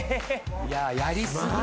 いややりすぎよ